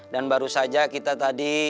dan baru saja kita tadi